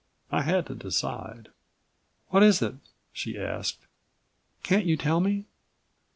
I had to decide. "What is it?" she asked. "Can't you tell me?"